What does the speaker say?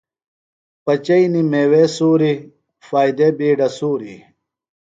پچیئنیۡ میوے سُوری، فائدے بِیڈہ سُوری